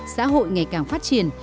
xã hội ngày càng phát triển